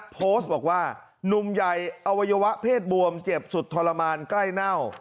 โพสต์บอกว่าหนุ่มใหญ่อวัยวะเพศบวมเจ็บสุดทรมานใกล้เน่า